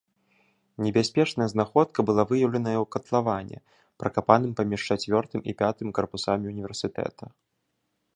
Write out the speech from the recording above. Небяспечная знаходка была выяўленая ў катлаване, пракапаным паміж чацвёртым і пятым карпусамі універсітэта.